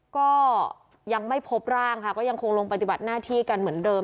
ก็ยังไม่พบร่างค่ะก็ยังคงลงปฏิบัติหน้าที่กันเหมือนเดิม